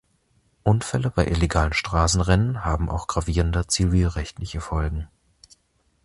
Unfälle bei illegalen Straßenrennen haben auch gravierende zivilrechtliche Folgen.